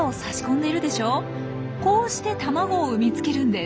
こうして卵を産み付けるんです。